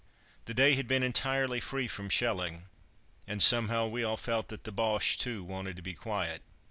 The day had been entirely free from shelling, and somehow we all felt that the Boches, too, wanted to be quiet.